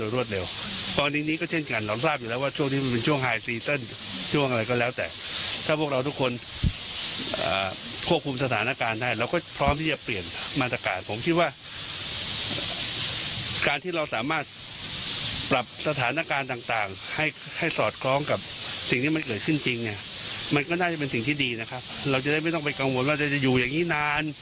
เราจะได้ไม่ต้องไปกังวลว่าจะอยู่อย่างนี้นาน